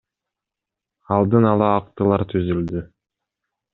Алдын ала актылар түзүлдү.